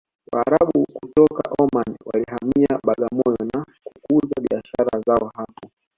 waarabu kutoka omani walihamia bagamoyo na kukuza biashara zao hapo